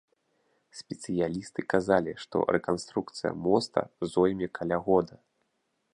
Спецыялісты казалі, што рэканструкцыя моста зойме каля года.